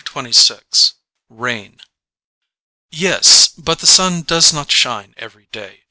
102 XXVI RAIN YES, but the sun does not shine every day.